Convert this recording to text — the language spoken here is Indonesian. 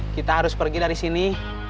kita harus pergi dari sini